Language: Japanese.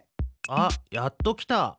あっやっときた。